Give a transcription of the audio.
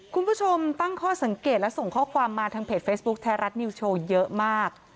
คุณผู้ชมตั้งข้อสังเกตและส่งข้อความมาทางเพจเฟซบุ๊คไทยรัฐนิวโชว์เยอะมาก